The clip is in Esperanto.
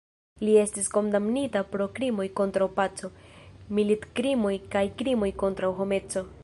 Li estis kondamnita pro krimoj kontraŭ paco, militkrimoj kaj krimoj kontraŭ homeco.